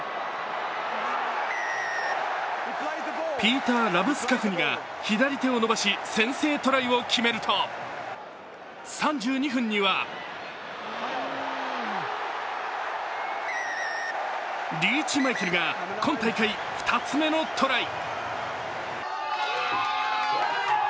ピーター・ラブスカフニが左手を伸ばし先制トライを決めると３２分にはリーチマイケルが今大会２つ目のトライ。